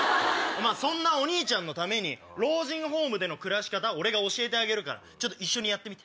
そんなお兄ちゃんのために老人ホームでの暮らし方を俺が教えてあげるからちょっと一緒にやってみて。